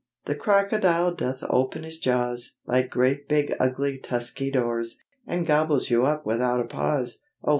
The Crocodile doth open his jaws, Like great big ugly tusky doors, And gobbles you up without a pause, Oh!